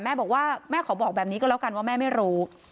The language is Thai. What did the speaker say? แม่บอกว่าแม่ขอบอกแบบนี้ก็แล้วกันว่าแม่ไม่รู้